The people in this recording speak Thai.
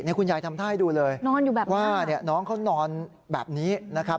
นี่คุณยายทำท่าให้ดูเลยว่าน้องเขานอนแบบนี้นะครับ